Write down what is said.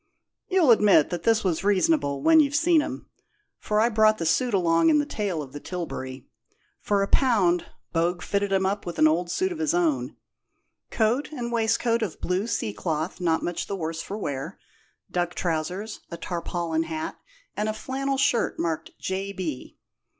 You'll admit that this was reasonable when you've seen 'em, for I brought the suit along in the tail of the tilbury. For a pound, Bogue fitted him up with an old suit of his own coat and waistcoat of blue sea cloth, not much the worse for wear, duck trousers, a tarpaulin hat, and a flannel shirt marked J. B.